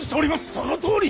そのとおり！